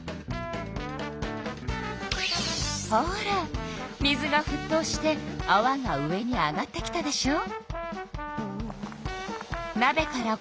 ほら水がふっとうしてあわが上に上がってきたでしょう？